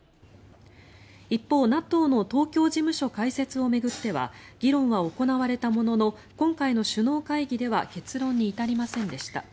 一方、ＮＡＴＯの東京事務所開設を巡っては議論は行われたものの今回の首脳会議では結論に至りませんでした。